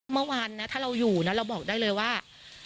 เมื่อวานนะถ้าเราอยู่นะเราบอกได้เลยว่า